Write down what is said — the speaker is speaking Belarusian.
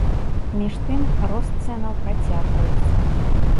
Між тым, рост цэнаў працягваецца.